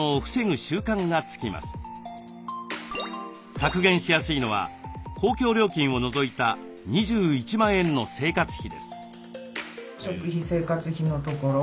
削減しやすいのは公共料金を除いた２１万円の生活費です。